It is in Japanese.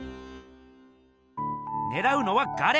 ねらうのは「ガレ」！